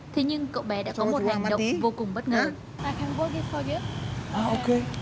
thế nhưng cậu bé đã có một hành động vô cùng bất ngờ